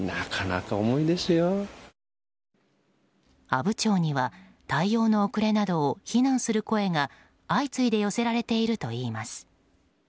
阿武町には対策の遅れなどを非難する声が相次いで寄せられているといいます。